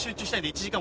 １時間？